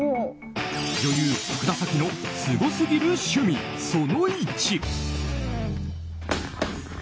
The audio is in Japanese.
女優・福田沙紀のすごすぎる趣味、その１。